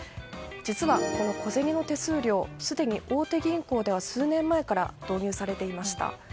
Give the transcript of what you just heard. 実はこの小銭の手数料すでに大手銀行では数年前から導入されていました。